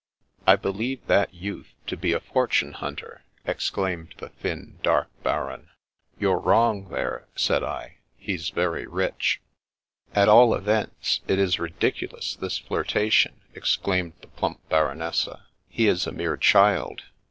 " I believe that youth to be a fortune hunter 1 " exclaimed the thin, dark Baron. " You're wrong there," said I, " he's very rich." " At all events, it is ridiculous, this flirtation," ex claimed the plump Baronessa. " He is a mere child.